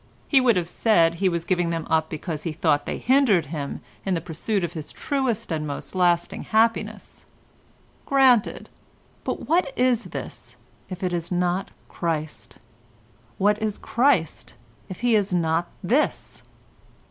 He would have said he was giving them up because he thought they hindered him in the pursuit of his truest and most lasting happiness. Granted, but what is this if it is not Christ? What is Christ if He is not this?